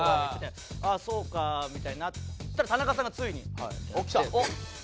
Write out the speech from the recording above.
ああそうかみたいになったら田中さんがついに。おっきた！